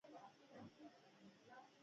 اوبزین معدنونه د افغانستان د بڼوالۍ برخه ده.